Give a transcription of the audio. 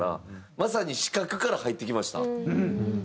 まさに視覚から入ってきました。